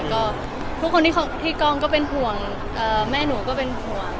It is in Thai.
ก็ทุกคนพี่ก้องก็เป็นห่วงแม่หนูก็เป็นห่วง